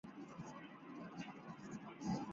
担任北京应用物理与计算数学研究所研究员。